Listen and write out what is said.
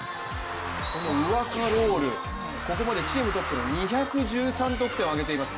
このウワカロール、ここまでチームトップの２１３得点を挙げています。